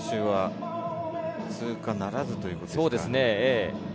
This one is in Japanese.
シロフス選手は通過ならずということですね。